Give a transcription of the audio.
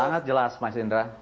selamat jelas mas indra